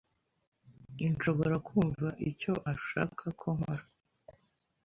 inshobora kumva icyo ashaka ko nkora.